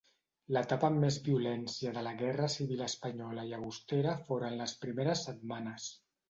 L'etapa amb més violència de la guerra civil espanyola a Llagostera foren les primeres setmanes.